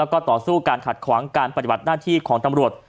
แล้วก็ต่อสู้การขัดขวางการปฏิบัติหน้าที่ของตำรวจ